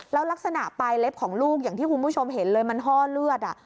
แล้วลักษณะปลายเล็บของลูกอย่างที่คุณผู้ชมเห็นเลยมันห้อเลือด